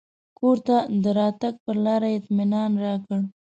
کور ته د راتګ پر لار یې اطمنان راکړ.